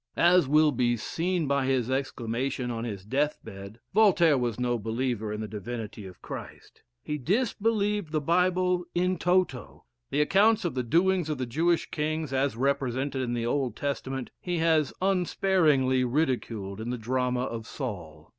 As will be seen by his exclamation on his death bed, Voltaire was no believer in the divinity of Christ. He disbelieved the Bible in toto. The accounts of the doings of the Jewish kings, as represented in the Old Testament, he has unsparingly ridiculed in the drama of "Saul."